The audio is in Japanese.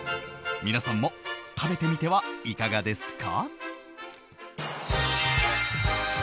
皆さんも食べてみてはいかがですか。